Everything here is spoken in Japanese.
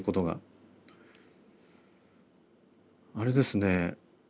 あれですね